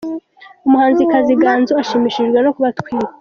Umuhanzikazi Ganzo ashimishijwe no kuba atwite